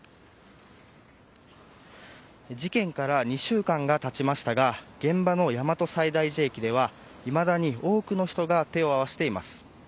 事件から２週間がたちましたが現場の大和西大寺駅ではいまだに多くの人が手を合わせています。